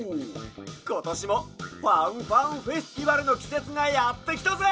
ことしもファンファンフェスティバルのきせつがやってきたぜ！